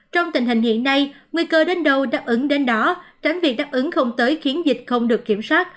trong tình hình hiện nay nguy cơ đến đâu đáp ứng đến đó tránh việc đáp ứng không tới khiến dịch không được kiểm soát